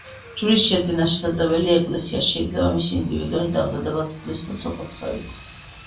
ჯვრის შეძენა შეიძლება ეკლესიაში; შეიძლება მისი ინდივიდუალური დამზადებაც მღვდლის ლოცვა-კურთხევით.